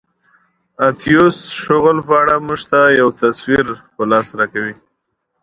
اتیوس شغل په اړه موږ ته یو تصویر په لاس راکوي.